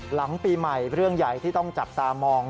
หลังปีใหม่เรื่องใหญ่ที่ต้องจับตามอง